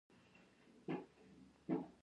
لرغون پېژندونکو ماري ډاګلاس څېړنې وکړې.